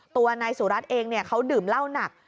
ตัวนายสุรัตน์เองเขาดื่มเหล้าหนัก